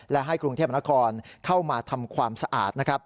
และให้กรุงเทพมนาคมเข้ามาทำความสะอาด